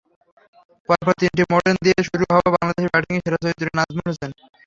পরপর তিনটি মেডেন দিয়ে শুরু হওয়া বাংলাদেশের ব্যাটিংয়ের সেরা চরিত্র নাজমুল হোসেন।